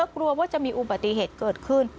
กลัวว่าจะมีอุบัติเหตุเกิดขึ้น